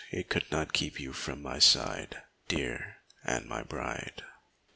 It could not keep you from my side, Dear and my bride!